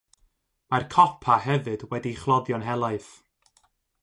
Mae'r copa hefyd wedi'i chloddio'n helaeth.